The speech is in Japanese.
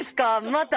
また。